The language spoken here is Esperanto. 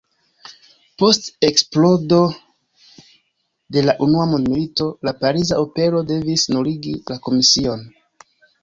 Post eksplodo de la unua mondmilito la Pariza Opero devis nuligi la komision.